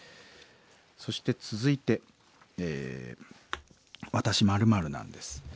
そして続いてえ「わたし○○なんです」。